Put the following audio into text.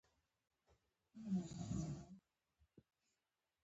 د خاورې په وچېدو سره پلاستیک حالت له منځه ځي